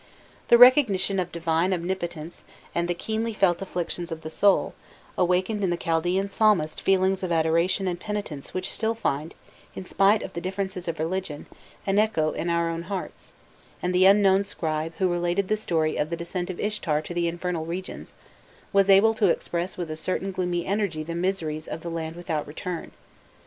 The recognition of divine omnipotence, and the keenly felt afflictions of the soul, awakened in the Chaldaean psalmist feelings of adoration and penitence which still find, in spite of the differences of religion, an echo in our own hearts; and the unknown scribe, who related the story of the descent of Ishtar to the infernal regions, was able to express with a certain gloomy energy the miseries of the "Land without return.